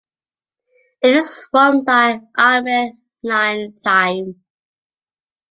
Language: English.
It is run by Ahmed Iyane Thiam.